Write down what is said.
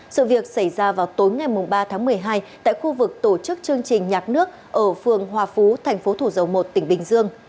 sự việc xảy ra vào tối ngày ba tháng một mươi hai tại khu vực tổ chức chương trình nhạc nước ở phường hòa phú thành phố thủ dầu một tỉnh bình dương